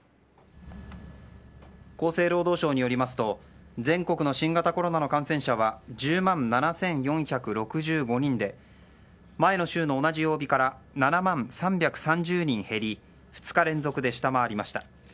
厚生労働省によりますと全国の新型コロナの感染者は１０万７４６５人で前の週の同じ曜日から７万３３０人減り２日連続で下回りました。